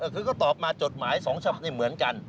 ก็ก็ตอบมาจดหมาย๒ทรัพย์เหมือนกัน